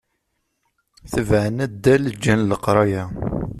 Tebεen addal, ǧǧan leqraya.